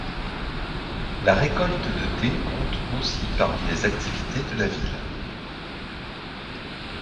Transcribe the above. La récolte de thé compte aussi parmi les activités de la ville.